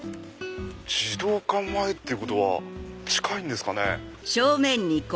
児童館前ってことは近いんですかね。